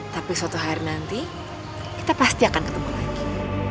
tapi suatu hari nanti kita pasti akan ketemu lagi